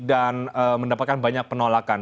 dan mendapatkan banyak penolakan